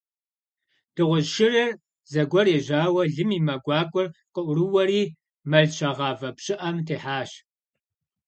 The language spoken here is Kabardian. Дыгъужь шырыр зэгуэр ежьауэ лым и мэ гуакӀуэр къыӀурыуэри, мэл щагъавэ пщыӀэм техьащ.